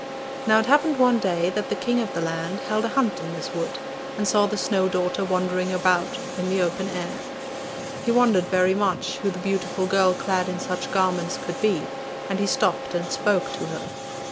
Now it happened one day that the King of the land held a hunt in this wood, and saw the Snow daughter wandering about in the open air. He wondered very much who the beautiful girl clad in such garments could be, and he stopped and spoke to her.